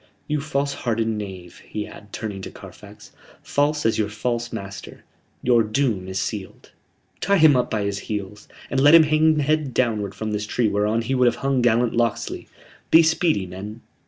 You false hearted knave," he added, turning to Carfax, "false as your false master your doom is sealed. Tie him up by his heels, and let him hang head downward from this tree whereon he would have hung gallant Locksley. Be speedy, men."